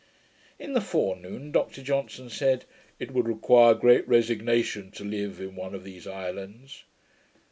In the forenoon Dr Johnson said, 'it would require great resignation to live in one of these islands.'